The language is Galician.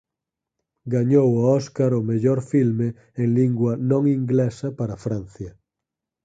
Gañou o Óscar ó mellor filme en lingua non inglesa para Francia.